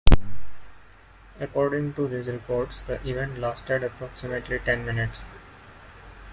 According to these reports, the event lasted approximately ten minutes.